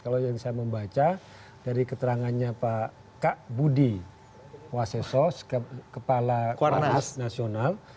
kalau yang saya membaca dari keterangannya pak budi waseso kepala kepala nasional